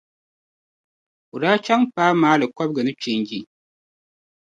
O daa chaŋ m-paai maali kɔbiga ni changi.